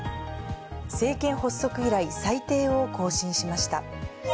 政権発足以来、最低を更新しました。